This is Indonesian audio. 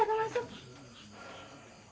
mbak pemu mari kita masuk